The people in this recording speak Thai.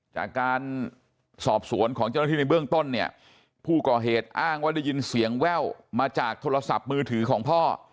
จากการสอบสวนของเจ้าหน้าที่ในเบื้องต้นเนี่ยผู้ก่อเหตุอ้างว่าได้ยินเสียงแว่วมาจากโทรศัพท์มือถือของพ่อ